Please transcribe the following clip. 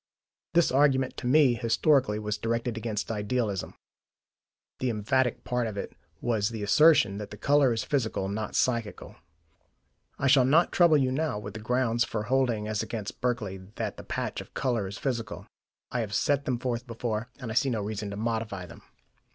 This argument, to me historically, was directed against idealism: the emphatic part of it was the assertion that the colour is physical, not psychical. I shall not trouble you now with the grounds for holding as against Berkeley that the patch of colour is physical; I have set them forth before, and I see no reason to modify them.